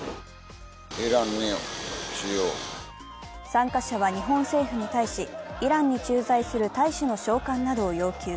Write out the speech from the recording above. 参加者は日本政府に対し、イランに駐在する大使の召還などを要求。